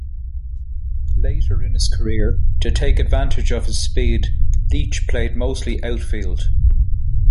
Later in his career, to take advantage of his speed, Leach played mostly outfield.